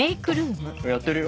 あやってるよ